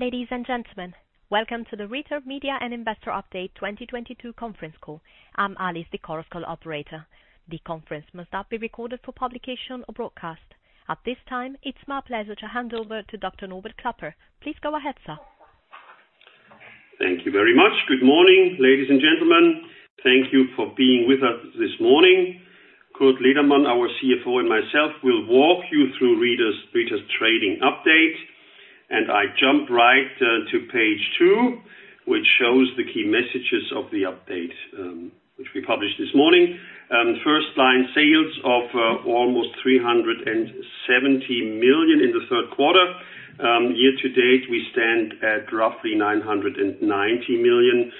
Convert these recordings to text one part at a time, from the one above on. Ladies and gentlemen, welcome to the Rieter Media and Investor Update 2022 conference call. I'm Alice, the conference call operator. The conference must not be recorded for publication or broadcast. At this time, it's my pleasure to hand over to Dr. Norbert Klapper. Please go ahead, sir. Thank you very much. Good morning, ladies and gentlemen. Thank you for being with us this morning. Kurt Ledermann, our CFO, and myself will walk you through Rieter's trading update. I jump right to page two, which shows the key messages of the update, which we published this morning. First line sales of almost 370 million in the third quarter. Year to date, we stand at roughly 990 million.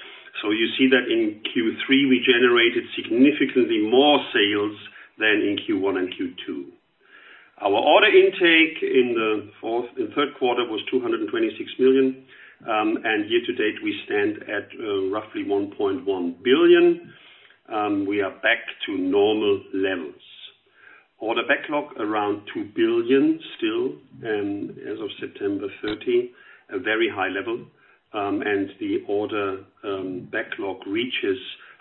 You see that in Q3, we generated significantly more sales than in Q1 and Q2. Our order intake in third quarter was 226 million. Year to date, we stand at roughly 1.1 billion. We are back to normal levels. Order backlog around 2 billion still, as of September 13th, a very high level. The order backlog reaches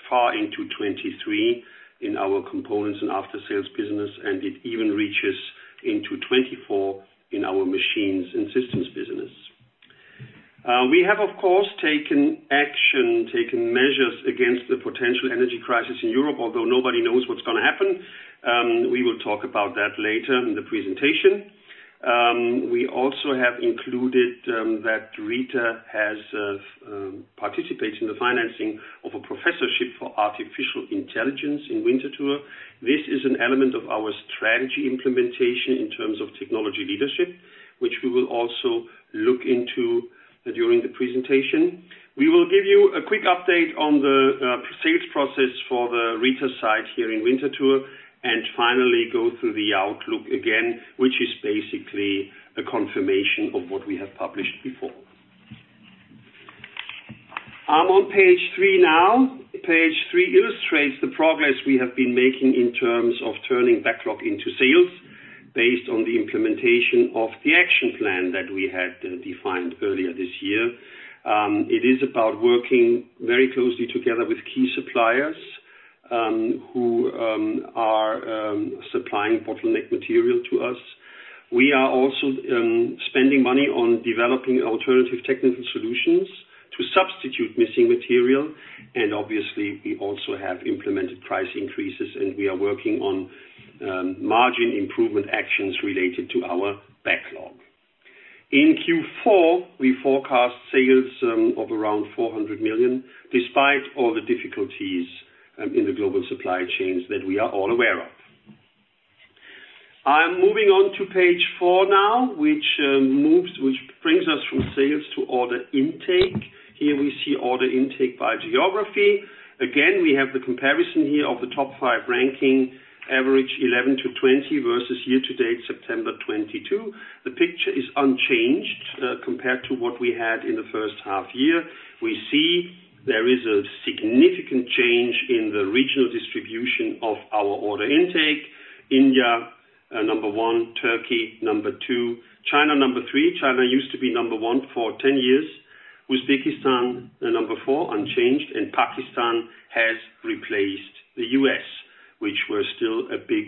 far into 2023 in our Components and After Sales business, and it even reaches into 2024 in our Machines & Systems business. We have of course taken action, taken measures against the potential energy crisis in Europe. Although nobody knows what's gonna happen, we will talk about that later in the presentation. We also have included that Rieter participates in the financing of a professorship for artificial intelligence in Winterthur. This is an element of our strategy implementation in terms of technology leadership, which we will also look into during the presentation. We will give you a quick update on the sales process for the Rieter site here in Winterthur. Finally go through the outlook again, which is basically a confirmation of what we have published before. I'm on page three now. Page three illustrates the progress we have been making in terms of turning backlog into sales based on the implementation of the action plan that we had defined earlier this year. It is about working very closely together with key suppliers who are supplying bottleneck material to us. We are also spending money on developing alternative technical solutions to substitute missing material. Obviously, we also have implemented price increases, and we are working on margin improvement actions related to our backlog. In Q4, we forecast sales of around 400 million, despite all the difficulties in the global supply chains that we are all aware of. I'm moving on to page four now, which brings us from sales to order intake. Here we see order intake by geography. Again, we have the comparison here of the top five ranking average 11 to 20 versus year to date, September 2022. The picture is unchanged, compared to what we had in the first half year. We see there is a significant change in the regional distribution of our order intake. India, number one, Turkey number two, China number three. China used to be number one for 10 years. Uzbekistan, number four, unchanged. Pakistan has replaced the U.S., which were still a big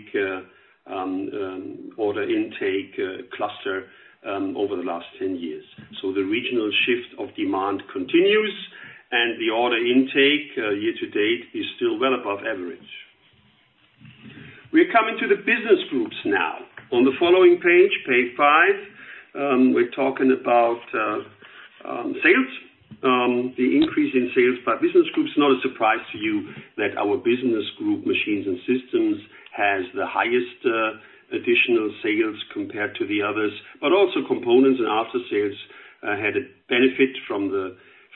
order intake cluster over the last 10 years. The regional shift of demand continues and the order intake, year to date is still well above average. We're coming to the business groups now. On the following page five, we're talking about sales. The increase in sales by business groups is not a surprise to you that our business group, Machines & Systems, has the highest additional sales compared to the others. Components and After Sales had a benefit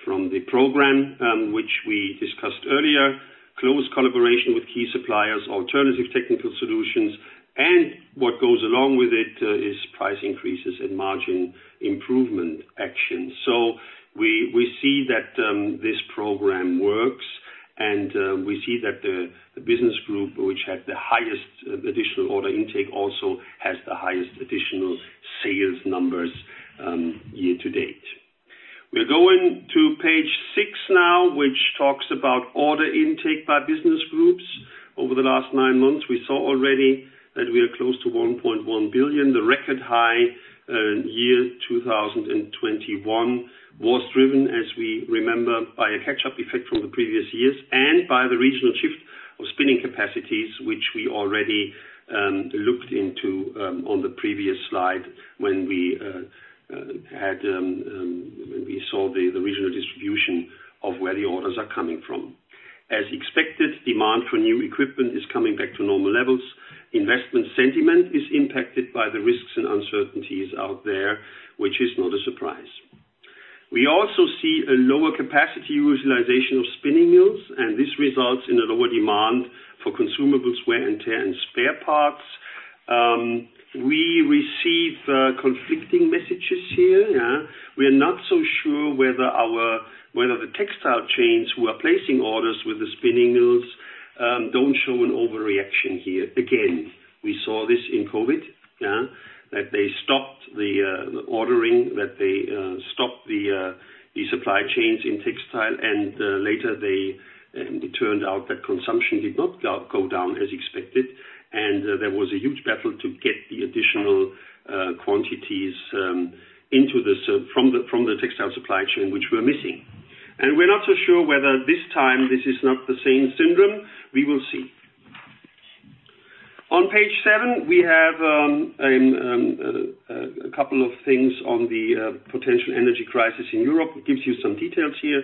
from the program which we discussed earlier. Close collaboration with key suppliers, alternative technical solutions, and what goes along with it is price increases and margin improvement actions. We see that this program works. We see that the business group which had the highest additional order intake also has the highest additional sales numbers year to date. We're going to page six now, which talks about order intake by business groups. Over the last nine months, we saw already that we are close to 1.1 billion. The record high, year 2021 was driven, as we remember, by a catch-up effect from the previous years and by the regional shift of spinning capacities, which we already looked into, on the previous slide when we saw the regional distribution of where the orders are coming from. As expected, demand for new equipment is coming back to normal levels. Investment sentiment is impacted by the risks and uncertainties out there, which is not a surprise. We also see a lower capacity utilization of spinning mills, and this results in a lower demand for consumables, wear and tear and spare parts. We receive conflicting messages here, yeah. We're not so sure whether the textile chains who are placing orders with the spinning mills don't show an overreaction here. Again, we saw this in COVID, yeah? That they stopped the ordering, that they stopped the supply chains in textile and later it turned out that consumption did not go down as expected. There was a huge battle to get the additional quantities from the textile supply chain, which were missing. We're not so sure whether this time this is not the same syndrome. We will see. On page seven, we have a couple of things on the potential energy crisis in Europe. It gives you some details here.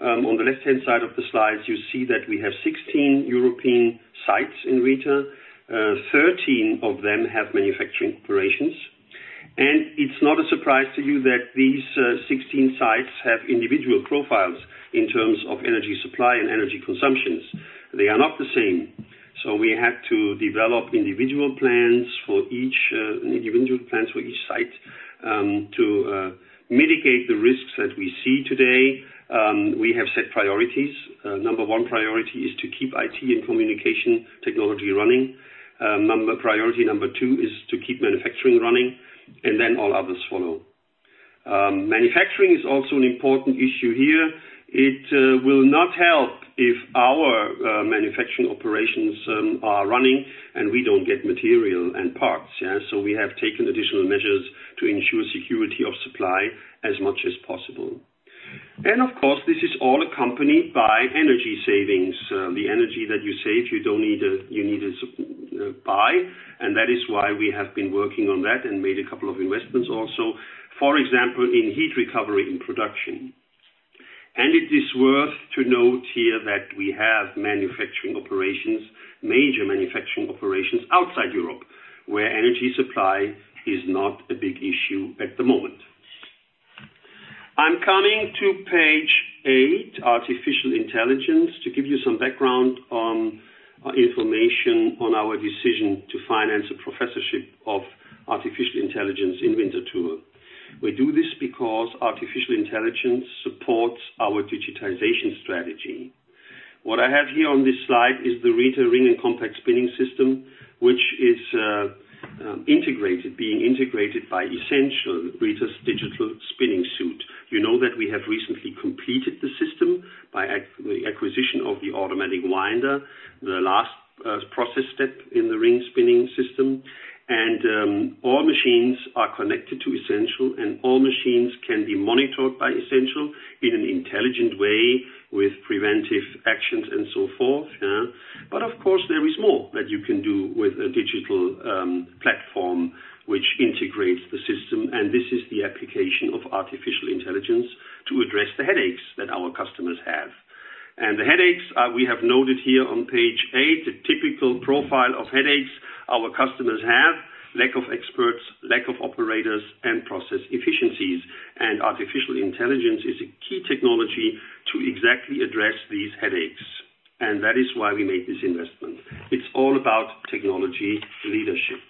On the left-hand side of the slides, you see that we have 16 European sites in Rieter. Thirteen of them have manufacturing operations. It's not a surprise to you that these 16 sites have individual profiles in terms of energy supply and energy consumptions. They are not the same, so we had to develop individual plans for each site to mitigate the risks that we see today. We have set priorities. Number one priority is to keep IT and communication technology running. Priority number two is to keep manufacturing running, and then all others follow. Manufacturing is also an important issue here. It will not help if our manufacturing operations are running and we don't get material and parts, yeah. We have taken additional measures to ensure security of supply as much as possible. Of course, this is all accompanied by energy savings. The energy that you save, you don't need, you need to buy. That is why we have been working on that and made a couple of investments also, for example, in heat recovery in production. It is worth to note here that we have manufacturing operations, major manufacturing operations, outside Europe, where energy supply is not a big issue at the moment. I'm coming to page eight, Artificial Intelligence, to give you some background on information on our decision to finance a professorship of artificial intelligence in Winterthur. We do this because artificial intelligence supports our digitization strategy. What I have here on this slide is the Rieter ring and compact spinning system, which is integrated, being integrated by ESSENTIAL, Rieter's digital spinning suite. You know that we have recently completed the system by acquisition of the automatic winder, the last process step in the ring spinning system. All machines are connected to ESSENTIAL, and all machines can be monitored by ESSENTIAL in an intelligent way with preventive actions and so forth, yeah? Of course, there is more that you can do with a digital platform which integrates the system, and this is the application of artificial intelligence to address the headaches that our customers have. The headaches are, we have noted here on page eight, the typical profile of headaches our customers have, lack of experts, lack of operators, and process efficiencies. Artificial intelligence is a key technology to exactly address these headaches, and that is why we made this investment. It's all about technology leadership.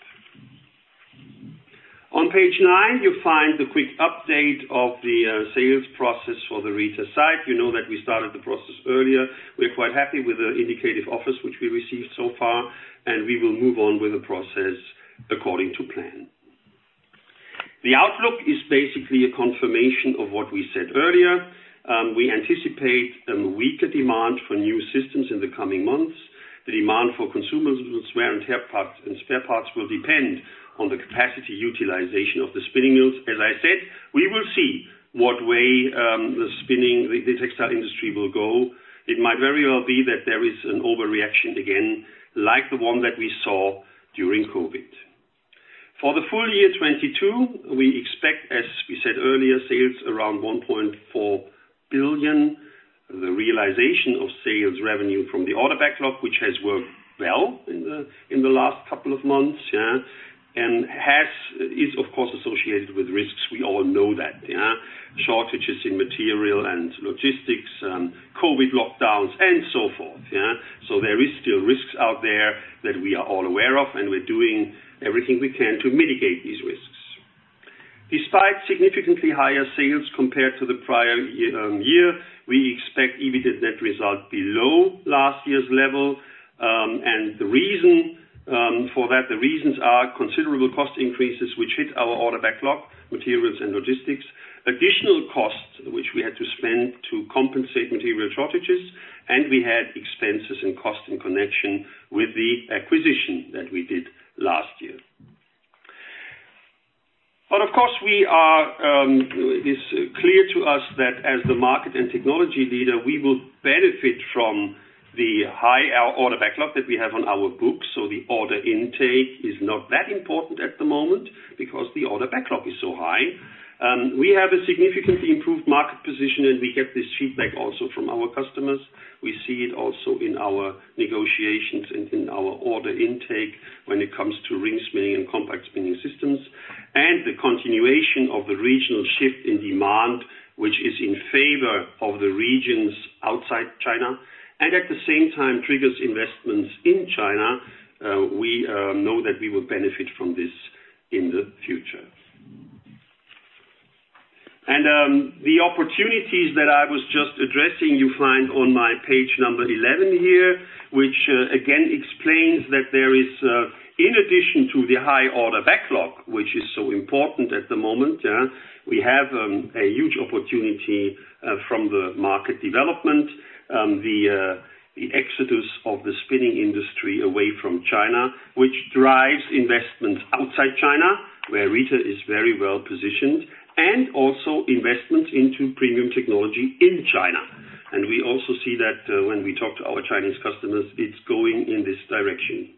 On page nine, you'll find the quick update of the sales process for the Rieter site. You know that we started the process earlier. We're quite happy with the indicative offers which we received so far, and we will move on with the process according to plan. The outlook is basically a confirmation of what we said earlier. We anticipate a weaker demand for new systems in the coming months. The demand for consumables, wear and tear parts and spare parts will depend on the capacity utilization of the spinning mills. As I said, we will see what way the spinning, the textile industry will go. It might very well be that there is an overreaction again, like the one that we saw during COVID. For the full year 2022, we expect, as we said earlier, sales around 1.4 billion. The realization of sales revenue from the order backlog, which has worked well in the last couple of months, yeah? is, of course, associated with risks. We all know that, yeah? Shortages in material and logistics, COVID lockdowns and so forth, yeah? There is still risks out there that we are all aware of, and we're doing everything we can to mitigate these risks. Despite significantly higher sales compared to the prior year, we expect EBITDA net result below last year's level. The reason for that, the reasons are considerable cost increases, which hit our order backlog, materials and logistics. Additional costs which we had to spend to compensate material shortages, and we had expenses and costs in connection with the acquisition that we did last year. Of course, we are, it is clear to us that as the market and technology leader, we will benefit from the high, order backlog that we have on our books. The order intake is not that important at the moment because the order backlog is so high. We have a significantly improved market position, and we get this feedback also from our customers. We see it also in our negotiations and in our order intake when it comes to ring spinning and compact spinning systems. The continuation of the regional shift in demand, which is in favor of the regions outside China and at the same time triggers investments in China, we know that we will benefit from this in the future. The opportunities that I was just addressing, you find on my page number 11 here, which again explains that there is in addition to the high order backlog, which is so important at the moment. We have a huge opportunity from the market development, the exodus of the spinning industry away from China, which drives investments outside China, where Rieter is very well-positioned, and also investments into premium technology in China. We also see that when we talk to our Chinese customers, it's going in this direction.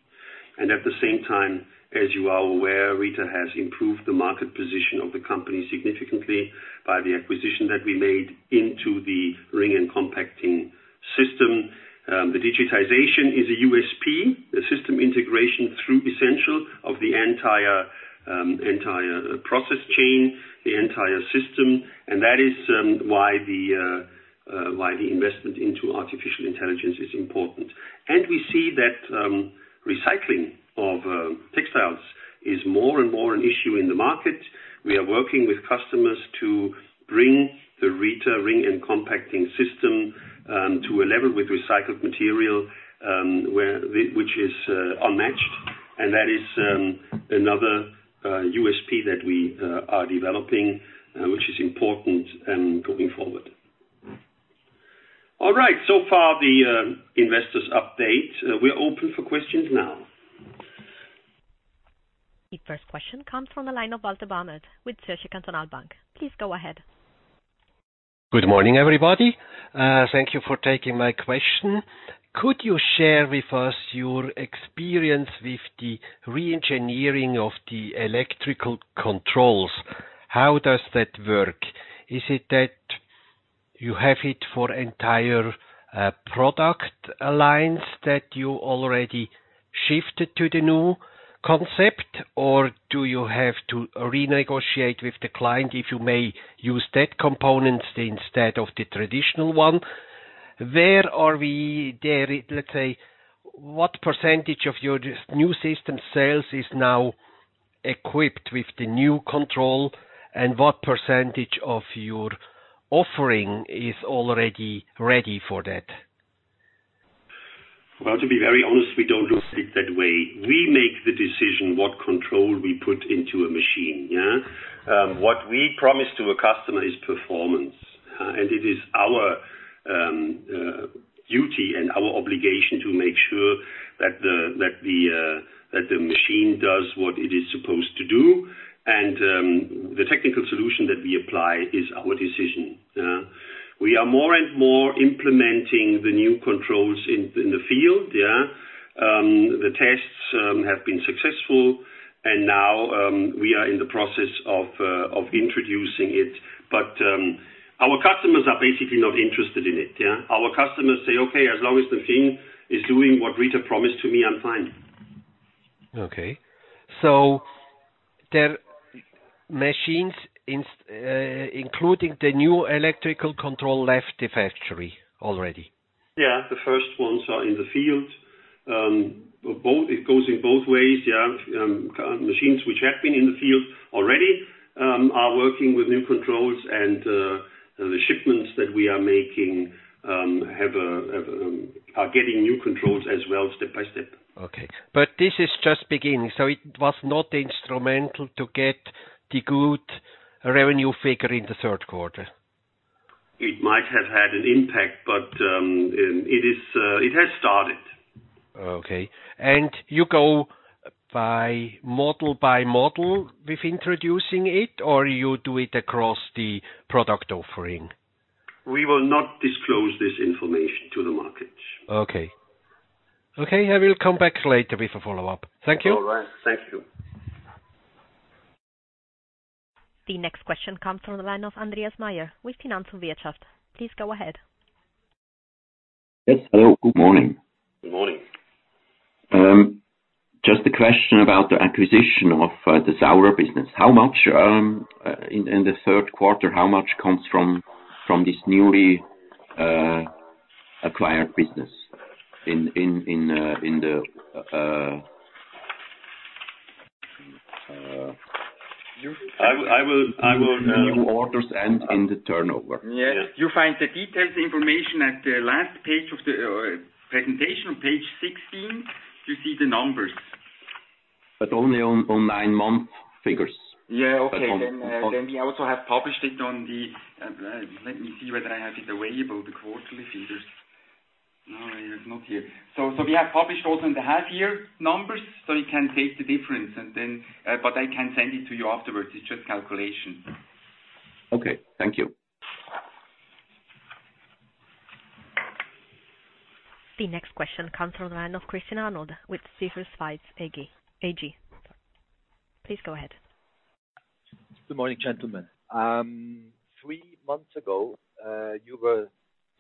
At the same time, as you are aware, Rieter has improved the market position of the company significantly by the acquisition that we made into the ring and compact system. The digitization is a USP, the system integration through ESSENTIAL of the entire process chain, the entire system, and that is why the investment into artificial intelligence is important. We see that recycling of textiles is more and more an issue in the market. We are working with customers to bring the Rieter ring and compact system to a level with recycled material, which is unmatched. That is another USP that we are developing, which is important going forward. All right. So far, the investor update. We're open for questions now. The first question comes from the line of Walter Bamert with Zürcher Kantonalbank. Please go ahead. Good morning, everybody. Thank you for taking my question. Could you share with us your experience with the reengineering of the electrical controls? How does that work? Is it that you have it for entire product line that you already shifted to the new concept, or do you have to renegotiate with the client, if you may use that component instead of the traditional one? Where are we there? Let's say, what percentage of your new system sales is now equipped with the new control, and what percentage of your offering is already ready for that? Well, to be very honest, we don't look at it that way. We make the decision what control we put into a machine, yeah. What we promise to a customer is performance, and it is our duty and our obligation to make sure that the machine does what it is supposed to do. The technical solution that we apply is our decision, yeah. We are more and more implementing the new controls in the field, yeah. The tests have been successful, and now we are in the process of introducing it. Our customers are basically not interested in it, yeah. Our customers say, "Okay, as long as the thing is doing what Rieter promised to me, I'm fine. There are machines, including the new electrical control, left the factory already? Yeah. The first ones are in the field. It goes in both ways, yeah. Machines which have been in the field already are working with new controls, and the shipments that we are making are getting new controls as well step by step. Okay. This is just beginning. It was not instrumental to get the good revenue figure in the third quarter. It might have had an impact, but it has started. Okay. You go model by model with introducing it, or you do it across the product offering? We will not disclose this information to the market. Okay, I will come back later with a follow-up. Thank you. All right. Thank you. The next question comes from the line of Andreas Meyer with Finanz und Wirtschaft. Please go ahead. Yes. Hello, good morning. Good morning. Just a question about the acquisition of the Saurer business. How much in the third quarter comes from this newly acquired business? I will. New orders and in the turnover. Yeah. You find the detailed information at the last page of the presentation. On page 16, you see the numbers. Only on nine-month figures. Okay. We also have published it on the. Let me see whether I have it available, the quarterly figures. No, it is not here. We have published also in the half year numbers. You can take the difference. I can send it to you afterwards. It's just calculation. Okay. Thank you. The next question comes from the line of Christian Arnold with Stifel Schweiz AG. Please go ahead. Good morning, gentlemen. Three months ago, you were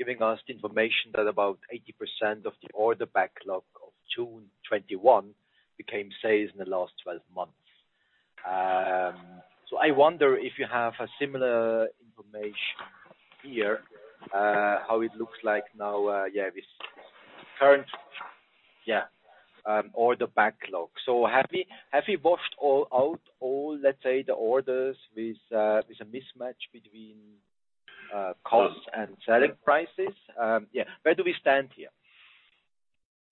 giving us information that about 80% of the order backlog of June 2021 became sales in the last 12 months. I wonder if you have a similar information here, how it looks like now, yeah, with current quarter. Yeah. Order backlog. Have you washed all out, let's say, the orders with a mismatch between costs and selling prices? Yeah. Where do we stand here?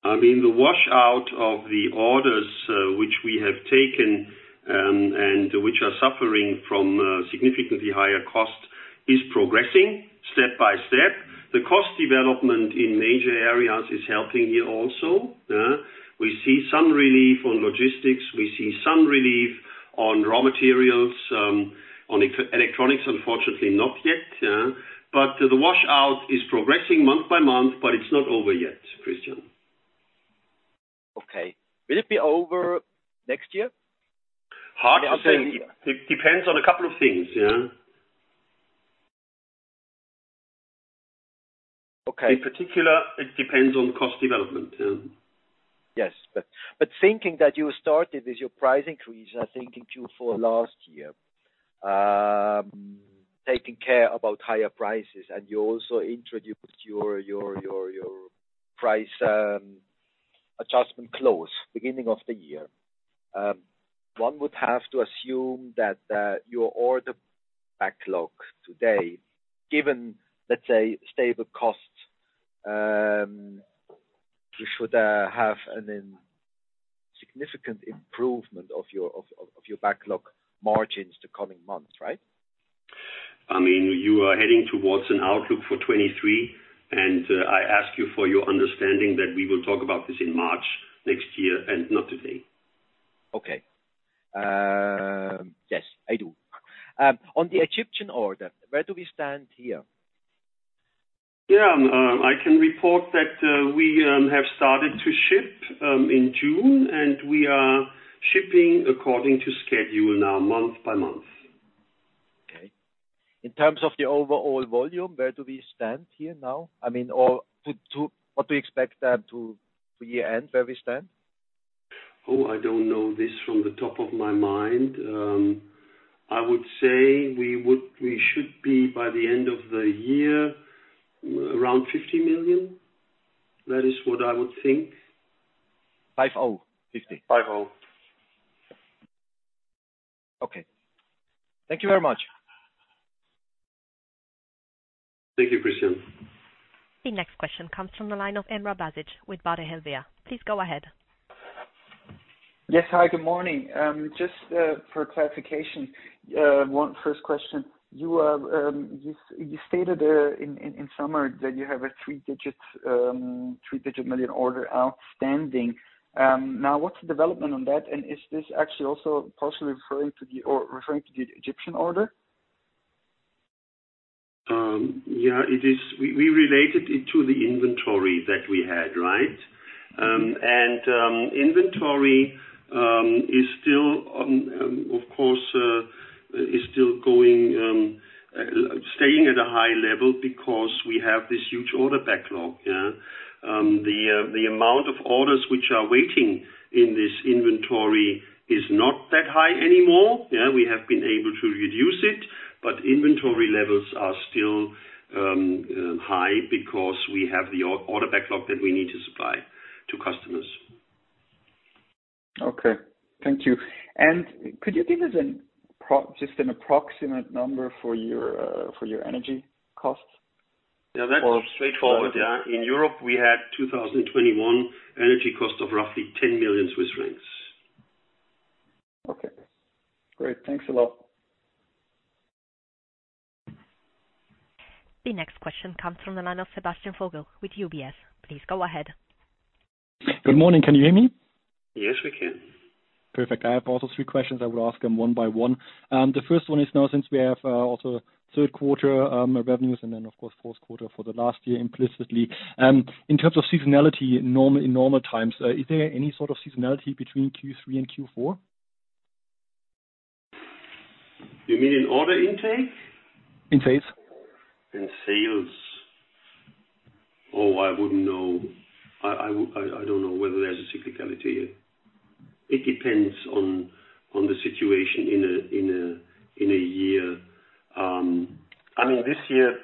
I mean, the wash-out of the orders, which we have taken and which are suffering from significantly higher cost is progressing step by step. The cost development in major areas is helping here also. We see some relief on logistics, we see some relief on raw materials, on electronics, unfortunately not yet. The wash-out is progressing month by month, but it's not over yet, Christian. Okay. Will it be over next year? Hard to say. It depends on a couple of things, yeah. Okay. In particular, it depends on cost development, yeah. Yes. Thinking that you started with your price increase, I think in Q4 last year, taking care about higher prices, and you also introduced your price adjustment clause beginning of the year. One would have to assume that your order backlog today, given, let's say, stable costs, you should have a significant improvement of your backlog margins the coming months, right? I mean, you are heading towards an outlook for 2023, and I ask you for your understanding that we will talk about this in March next year and not today. Okay. Yes, I do. On the Egyptian order, where do we stand here? Yeah. I can report that we have started to ship in June, and we are shipping according to schedule now, month by month. Okay. In terms of the overall volume, where do we stand here now? I mean, what do you expect to year-end, where we stand? I don't know this from the top of my mind. I would say we should be, by the end of the year, around 50 million. That is what I would think. 50. 5-0. Okay. Thank you very much. Thank you, Christian. The next question comes from the line of Emrah Basic with Baader Helvea. Please go ahead. Yes. Hi, good morning. Just for clarification, first question. You stated in summary that you have a three-digit million order outstanding. Now what's the development on that? Is this actually also possibly referring to the Egyptian order? Yeah, it is. We related it to the inventory that we had, right? Inventory is still, of course, staying at a high level because we have this huge order backlog, yeah. The amount of orders which are waiting in this inventory is not that high anymore, yeah. We have been able to reduce it, but inventory levels are still high because we have the order backlog that we need to supply to customers. Okay. Thank you. Could you give us just an approximate number for your energy costs? Yeah, that's straightforward, yeah. In Europe, we had 2021 energy cost of roughly 10 million Swiss francs. Okay, great. Thanks a lot. The next question comes from the line of Sebastian Vogel with UBS. Please go ahead. Good morning. Can you hear me? Yes, we can. Perfect. I have also three questions. I will ask them one by one. The first one is now since we have also third quarter revenues and then of course fourth quarter for the last year implicitly in terms of seasonality in normal times is there any sort of seasonality between Q3 and Q4? You mean in order intake? In sales. In sales. Oh, I wouldn't know. I don't know whether there's a cyclicality. It depends on the situation in a year. I mean, this year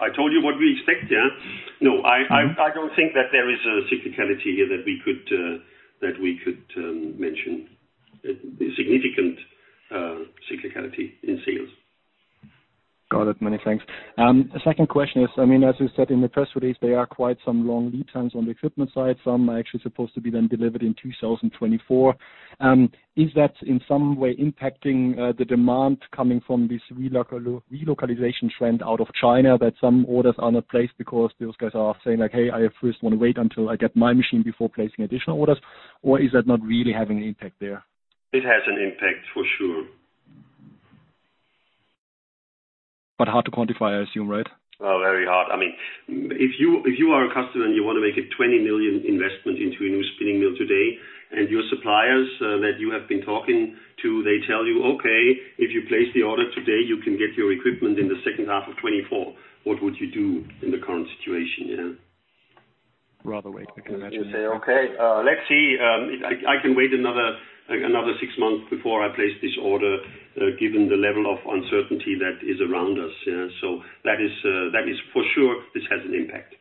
I told you what we expect, yeah. No, I don't think that there is a cyclicality here that we could mention. A significant cyclicality in sales. Got it. Many thanks. Second question is, I mean, as you said in the press release, there are quite some long lead times on the equipment side. Some are actually supposed to be then delivered in 2024. Is that in some way impacting the demand coming from this relocalization trend out of China, that some orders are not placed because those guys are saying like, "Hey, I first wanna wait until I get my machine before placing additional orders?" Or is that not really having an impact there? It has an impact for sure. Hard to quantify, I assume, right? Oh, very hard. I mean, if you, if you are a customer and you wanna make a 20 million investment into a new spinning mill today, and your suppliers, that you have been talking to, they tell you, "Okay, if you place the order today, you can get your equipment in the second half of 2024." What would you do in the current situation, yeah? Rather wait, I can imagine. You say, "Okay, let's see, I can wait another, like another six months before I place this order, given the level of uncertainty that is around us." Yeah. That is for sure, this has an impact.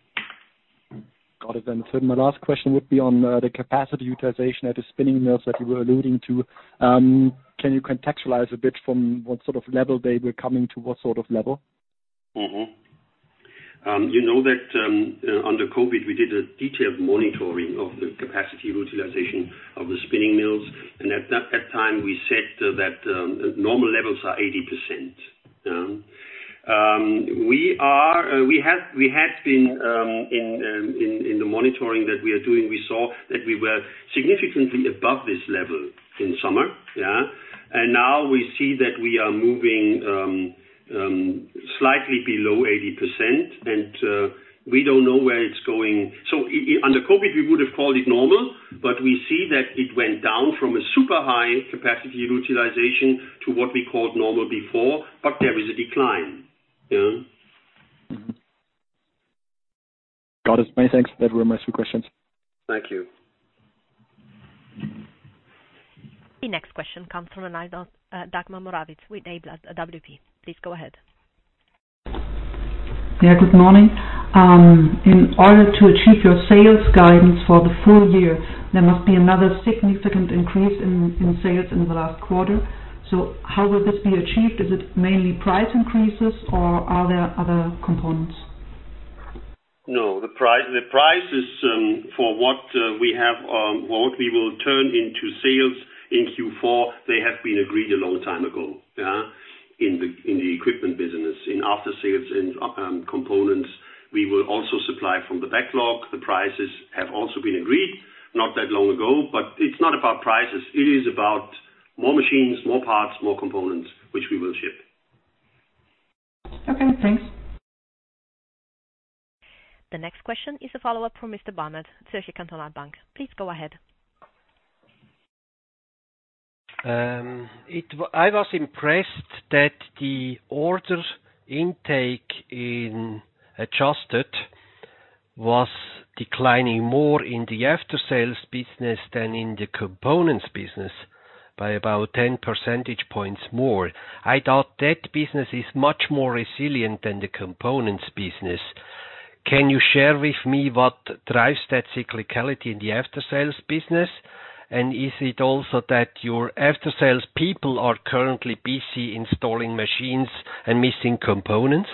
Got it then. My last question would be on the capacity utilization at the spinning mills that you were alluding to. Can you contextualize a bit from what sort of level they were coming to what sort of level? You know that under COVID, we did a detailed monitoring of the capacity utilization of the spinning mills, and at that time we said that normal levels are 80%. We have been in the monitoring that we are doing, we saw that we were significantly above this level in summer. Now we see that we are moving slightly below 80%. We don't know where it's going. Under COVID, we would have called it normal, but we see that it went down from a super high capacity utilization to what we called normal before. There is a decline. Got it. Many thanks. That were my two questions. Thank you. The next question comes from Dagmar Morawitz with AWP. Please go ahead. Yeah, good morning. In order to achieve your sales guidance for the full year, there must be another significant increase in sales in the last quarter. How will this be achieved? Is it mainly price increases or are there other components? No, the prices for what we have, what we will turn into sales in Q4, they have been agreed a long time ago, yeah. In the equipment business. In After Sales and Components, we will also supply from the backlog. The prices have also been agreed, not that long ago. It's not about prices. It is about more machines, more parts, more Components which we will ship. Okay, thanks. The next question is a follow-up from Mr. Bamert, Zürcher Kantonalbank. Please go ahead. I was impressed that the order intake in adjusted was declining more in the After Sales business than in the Components business by about 10 percentage points more. I thought that business is much more resilient than the Components business. Can you share with me what drives that cyclicality in the After Sales business? Is it also that your After Sales people are currently busy installing machines and missing components?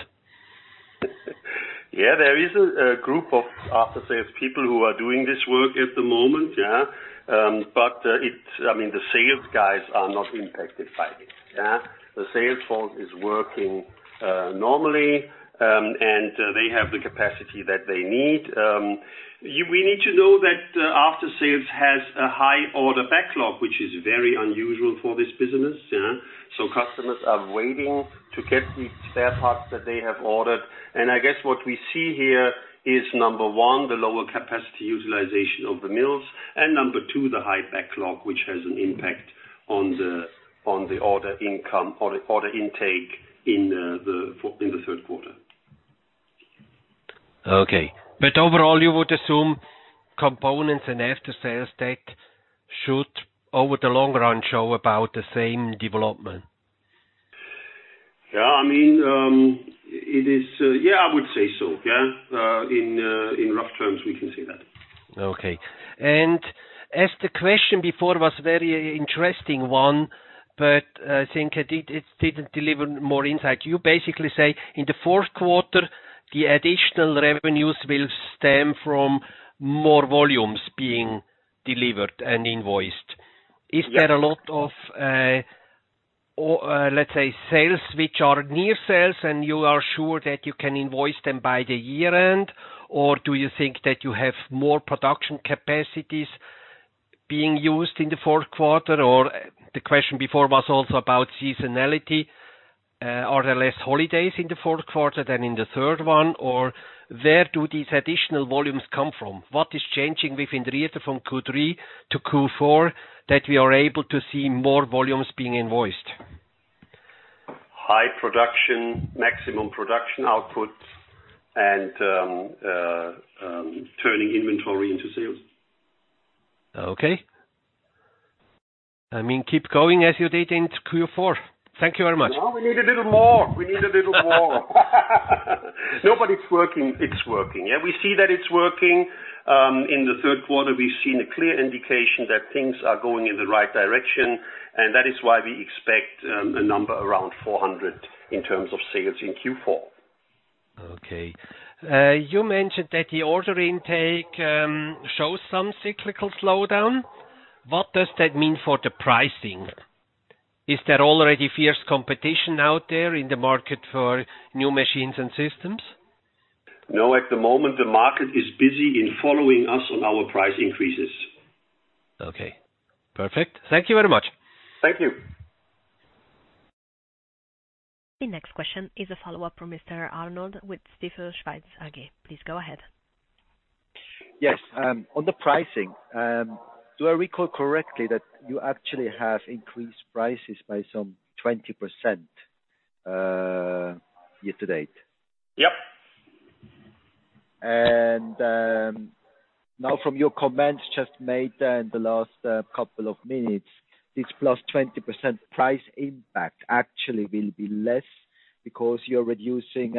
Yeah, there is a group of After Sales people who are doing this work at the moment, yeah. I mean, the sales guys are not impacted by this. Yeah. The sales force is working normally, and they have the capacity that they need. We need to know that After Sales has a high order backlog, which is very unusual for this business, yeah. Customers are waiting to get the spare parts that they have ordered. I guess what we see here is, number one, the lower capacity utilization of the mills, and number two, the high backlog, which has an impact on the order income or order intake in the third quarter. Okay. Overall, you would assume Components and After Sales should, over the long run, show about the same development? Yeah, I mean, it is, yeah, I would say so, yeah. In rough terms, we can say that. Okay. As the question before was very interesting one, but I think it didn't deliver more insight. You basically say in the fourth quarter, the additional revenues will stem from more volumes being delivered and invoiced. Yes. Is there a lot of, let's say, sales which are near sales and you are sure that you can invoice them by the year-end? Or do you think that you have more production capacities being used in the fourth quarter? Or the question before was also about seasonality. Are there less holidays in the fourth quarter than in the third one? Or where do these additional volumes come from? What is changing within Rieter from Q3 to Q4 that we are able to see more volumes being invoiced? High production, maximum production outputs, and turning inventory into sales. Okay. I mean, keep going as you did in Q4. Thank you very much. No, we need a little more. No, but it's working. Yeah, we see that it's working. In the third quarter, we've seen a clear indication that things are going in the right direction, and that is why we expect a number around 400 million in terms of sales in Q4. Okay. You mentioned that the order intake shows some cyclical slowdown. What does that mean for the pricing? Is there already fierce competition out there in the market for new machines and systems? No, at the moment, the market is busily following us on our price increases. Okay, perfect. Thank you very much. Thank you. The next question is a follow-up from Mr. Arnold with Stifel Schweiz AG. Please go ahead. Yes, on the pricing, do I recall correctly that you actually have increased prices by some 20%, year to date? Yep. And, um- Now from your comments just made in the last couple of minutes, this +20% price impact actually will be less because you're reducing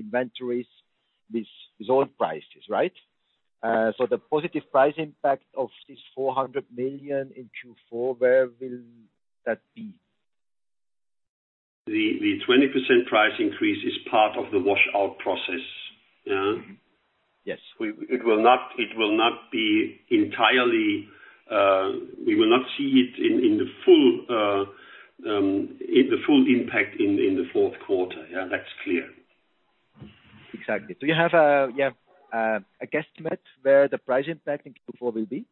inventories with zone prices, right? The positive price impact of this 400 million in Q4, where will that be? The 20% price increase is part of the wash-out process. Yeah. Yes. It will not be entirely. We will not see it in the full impact in the fourth quarter. Yeah, that's clear. Exactly. You have a guesstimate where the price impact in Q4 will be?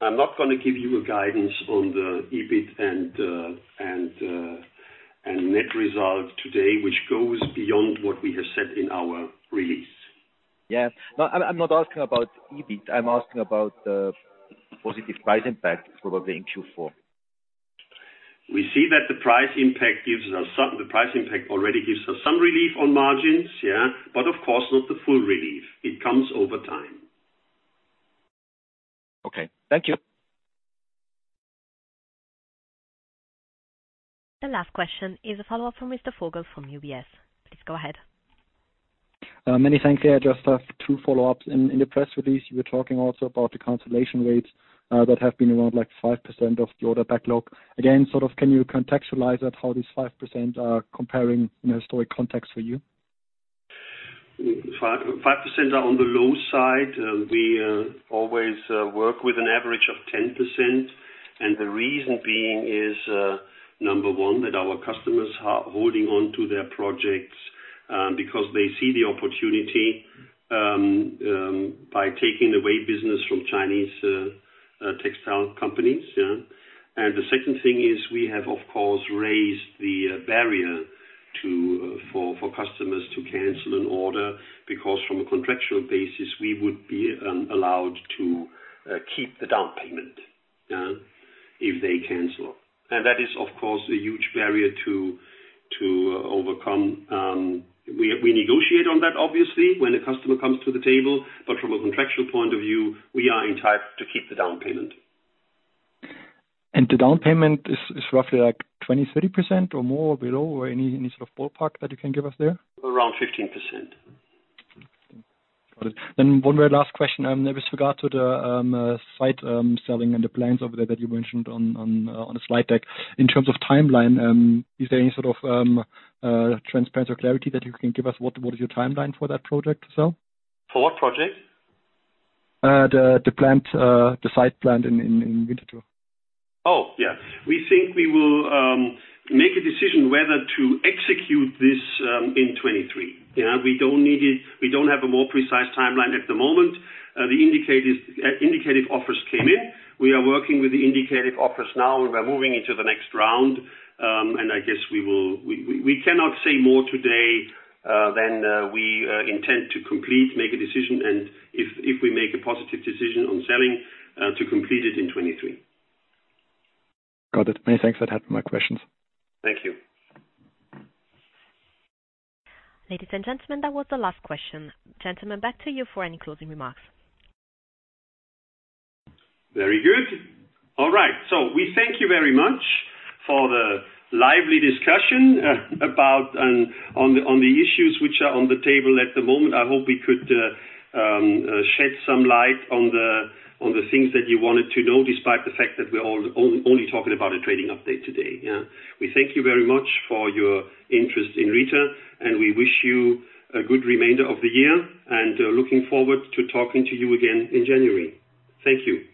I'm not gonna give you a guidance on the EBIT and net result today, which goes beyond what we have said in our release. Yeah. No, I'm not asking about EBIT. I'm asking about the positive price impact, probably in Q four. We see that the price impact already gives us some relief on margins, yeah. Of course not the full relief. It comes over time. Okay. Thank you. The last question is a follow-up from Mr. Vogel from UBS. Please go ahead. Many thanks. I just have two follow-ups. In the press release, you were talking also about the cancellation rates that have been around like 5% of the order backlog. Again, sort of, can you contextualize that, how these 5% are comparing in a historic context for you? 5% are on the low side. We always work with an average of 10%. The reason being is, number one, that our customers are holding on to their projects because they see the opportunity by taking away business from Chinese textile companies, yeah. The second thing is we have, of course, raised the barrier for customers to cancel an order, because from a contractual basis, we would be allowed to keep the down payment, yeah, if they cancel. That is, of course, a huge barrier to overcome. We negotiate on that obviously, when a customer comes to the table, but from a contractual point of view, we are entitled to keep the down payment. The down payment is roughly like 20%-30% or more or below, or any sort of ballpark that you can give us there? Around 15%. Got it. One very last question with regard to the site selling and the plans over there that you mentioned on the slide deck. In terms of timeline, is there any sort of transparency or clarity that you can give us? What is your timeline for that project to sell? For what project? The plant site in Winterthur. Oh, yeah. We think we will make a decision whether to execute this in 2023. Yeah, we don't need it. We don't have a more precise timeline at the moment. The indicated offers came in. We are working with the indicated offers now, and we're moving into the next round. I guess we cannot say more today than we intend to complete, make a decision, and if we make a positive decision on selling to complete it in 2023. Got it. Many thanks. That had my questions. Thank you. Ladies and gentlemen, that was the last question. Gentlemen, back to you for any closing remarks. Very good. All right. We thank you very much for the lively discussion about the issues which are on the table at the moment. I hope we could shed some light on the things that you wanted to know, despite the fact that we're only talking about a trading update today. We thank you very much for your interest in Rieter, and we wish you a good remainder of the year, and looking forward to talking to you again in January. Thank you.